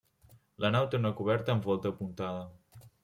La nau té una coberta amb volta apuntada.